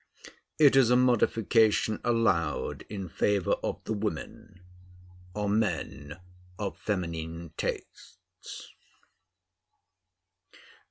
It is a modification allowed in favor of the women, or men of feminine tastes.